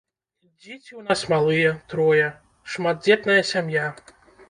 Дзеці ў нас малыя, трое, шматдзетная сям'я.